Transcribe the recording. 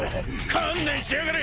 観念しやがれ！